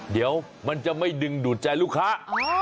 เดี๋ยวมันจะไม่ดึงดูดใจลูกค้า